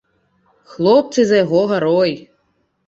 Хлопцы за яго гарой.